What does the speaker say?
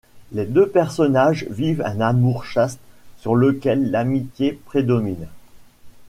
Les deux personnages vivent un amour chaste, sur lequel l'amitié prédomine.